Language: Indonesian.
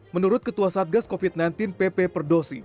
menurut ketua satgas covid